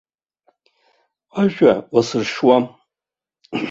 Ажәа уасыршьуам.